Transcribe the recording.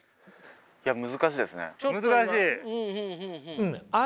いや難しいですね。